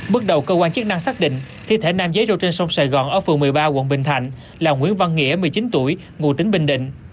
bước đầu cơ quan chức năng xác định thi thể nam giấy rô trên sông sài gòn ở phường một mươi ba quận bình thạnh là nguyễn văn nghĩa một mươi chín tuổi ngụ tính bình định